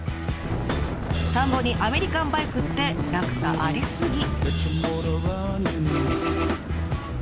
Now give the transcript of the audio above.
田んぼにアメリカンバイクって落差ありすぎ！